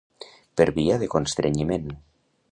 Per via de constrenyiment.